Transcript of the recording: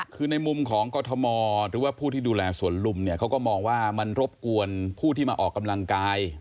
คือในมุมของกรทมหรือว่าผู้ที่ดูแลสวนลุมเนี่ยเขาก็มองว่ามันรบกวนผู้ที่มาออกกำลังกาย